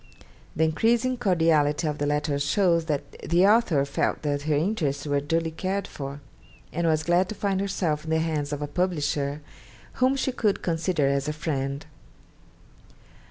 The increasing cordiality of the letters shows that the author felt that her interests were duly cared for, and was glad to find herself in the hands of a publisher whom she could consider as a friend.